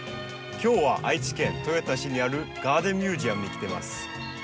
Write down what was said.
今日は愛知県豊田市にあるガーデンミュージアムに来てます。